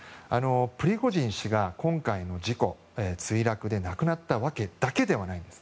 プリゴジン氏が今回の事故墜落で亡くなっただけではないんです。